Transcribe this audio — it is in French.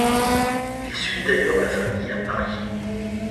Il suit d'ailleurs la famille à Paris.